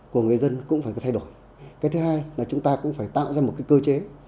của người dân cũng phải thay đổi thứ hai là chúng ta cũng phải tạo ra một cơ chế